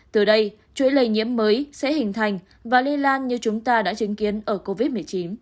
từ đây chuỗi lây nhiễm mới sẽ hình thành và lây lan như chúng ta đã chứng kiến ở covid một mươi chín